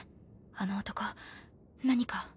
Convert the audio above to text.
あの男何か。